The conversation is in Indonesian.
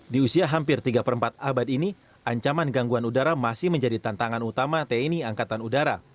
di usia hampir tiga per empat abad ini ancaman gangguan udara masih menjadi tantangan utama tni angkatan udara